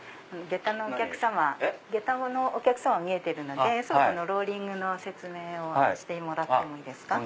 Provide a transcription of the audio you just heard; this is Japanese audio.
下駄のお客様みえてるのでローリングの説明をしてもらってもいいですか？